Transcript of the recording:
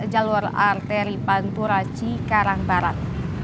jalur arteri pantura cikarang barat